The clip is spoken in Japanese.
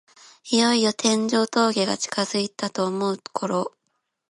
いよいよ天城峠が近づいたと思うころ